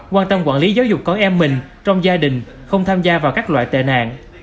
quan tâm quản lý giáo dục con em mình trong gia đình không tham gia vào các loại tệ nạn